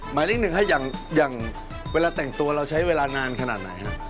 หมายเลขหนึ่งฮะอย่างเวลาแต่งตัวเราใช้เวลานานขนาดไหนฮะ